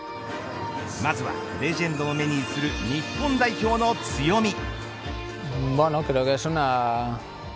まずはレジェンドの目に映る日本代表の強み。